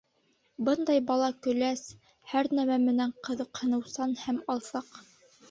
Бындай бала көләс, һәр нәмә менән ҡыҙыҡһыныусан һәм алсаҡ.